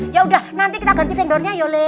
ya udah nanti kita ganti vendornya yole